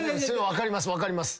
分かります分かります。